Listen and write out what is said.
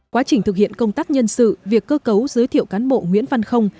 quá trình thực hiện công tác nhân sự việc cơ cấu giới thiệu cán bộ nguyễn văn không